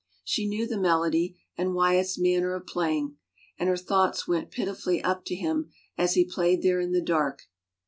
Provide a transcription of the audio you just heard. She knew the melody and Wyatt's manner of playing, and her thoughts went pitifully up to him as he played there in the dark.